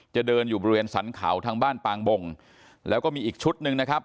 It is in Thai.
จะเดินอยู่บริเวณสรรเขาทางบ้านปางบงแล้วก็มีอีกชุดหนึ่งนะครับ